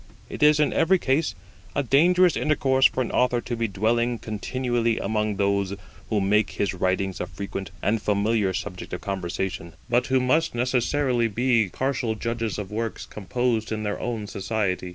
It is in every case a dangerous intercourse for an author to be dwelling continually among those who make his writings a frequent and familiar subject of conversation, but who must necessarily be partial judges of works composed in their own society.